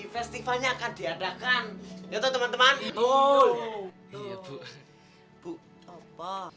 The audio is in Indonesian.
festival bandnya diadakan besok mas